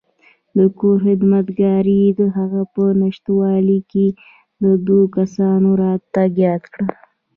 د کور خدمتګار یې دهغه په نشتوالي کې د دوو کسانو راتګ یاد کړ.